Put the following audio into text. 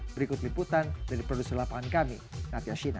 berikut liputan dari produser lapangan kami natya shina